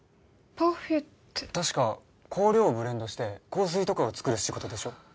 パフュって確か香料をブレンドして香水とかを作る仕事でしょ